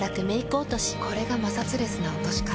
これがまさつレスな落とし方。